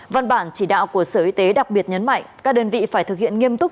văn bản chỉ đạo của sở y tế đặc biệt nhấn mạnh các đơn vị phải thực hiện nghiêm túc